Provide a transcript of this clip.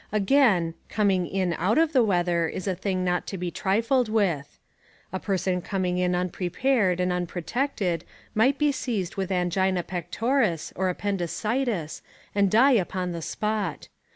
Again, "coming in out of the weather" is a thing not to be trifled with. A person coming in unprepared and unprotected might be seized with angina pectoris or appendicitis and die upon the spot.